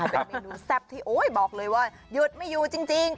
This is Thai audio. เป็นเมนูแซ่บที่โอ้ยบอกเลยว่าหยุดไม่อยู่จริง